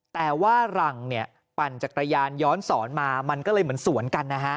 แต่ว่าหลังเนี่ยปั่นจักรยานย้อนสอนมามันก็เลยเหมือนสวนกันนะฮะ